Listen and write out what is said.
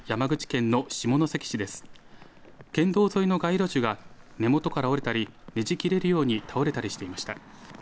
県道沿いの街路樹が根元から折れたりねじ切れるように倒れたりしていました。